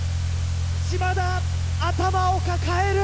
嶋田頭を抱える！